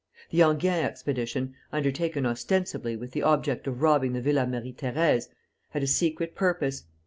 The Enghien expedition, undertaken ostensibly with the object of robbing the Villa Marie Thérèse, had a secret purpose.